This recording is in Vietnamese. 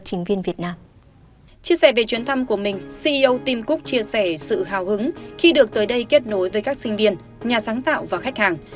chia sẻ về chuyến thăm của mình ceo tim cook chia sẻ sự hào hứng khi được tới đây kết nối với các sinh viên nhà sáng tạo và khách hàng